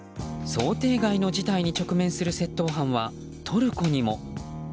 想定外の事態に直面する窃盗犯はトルコにも。